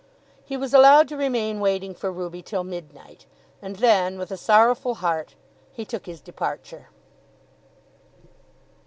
He was allowed to remain waiting for Ruby till midnight, and then, with a sorrowful heart, he took his departure.